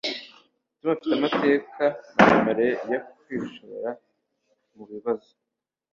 tom afite amateka maremare yo kwishora mubibazo